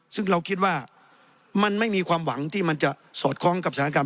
ซึ่งเราคิดว่ามันไม่มีความหวังที่มันจะสอดคล้องกับอุตสาหกรรม